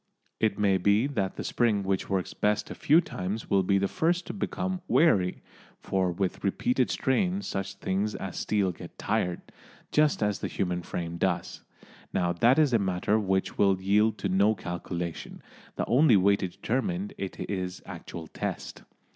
It may be that the spring which works best a few times will be the first to become "weary," for with repeated strain such things as steel get tired, just as the human frame does. Now that is a matter which will yield to no calculation, the only way to determine it is actual test.